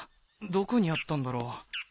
どこにあったんだろ？